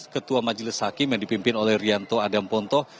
ketua majelis hakim yang dipimpin oleh rianto adam ponto